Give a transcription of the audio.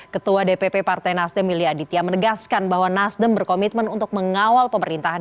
ketua dpp partai nasdem willy aditya menegaskan bahwa nasdem berkomitmen untuk mengawal pemerintahan